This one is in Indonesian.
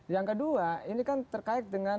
yang kedua ini kan terkait dengan